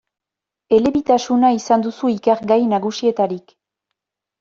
Elebitasuna izan duzu ikergai nagusietarik.